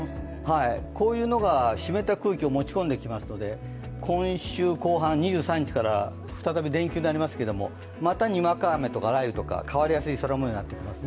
こういうのが湿った空気を持ち込んできますので、今週後半、２３日から再び連休になりますけれども、またにわか雨とか雷雨とか変わりやすい雨もようになりそうです。